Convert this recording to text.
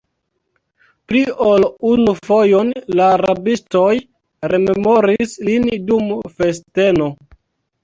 Pli ol unu fojon la rabistoj rememoris lin dum festeno!